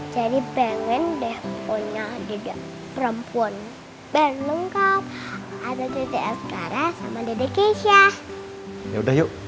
jadi pengen deh punya tidak perempuan berlengkap atau detail sekarang sama dedek isya yaudah yuk